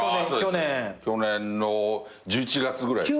去年の１１月ぐらいですかね。